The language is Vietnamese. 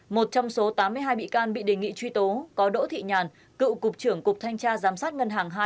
một trong số tám mươi hai bị can bị đề nghị truy tố có đỗ thị nhàn cựu cục trưởng cục thanh tra giám sát ngân hàng hai